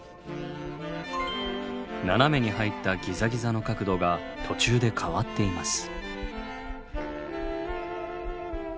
斜めに入ったギザギザの角度が途中で変わっています。